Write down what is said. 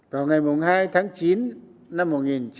vào ngày hai tháng chín năm một nghìn chín trăm bảy mươi năm